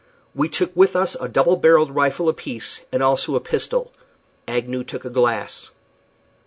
We took with us a double barrelled rifle apiece, and also a pistol. Agnew took a glass.